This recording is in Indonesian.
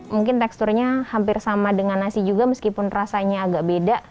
mungkin teksturnya hampir sama dengan nasi juga meskipun rasanya agak beda